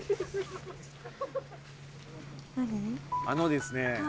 あのですね。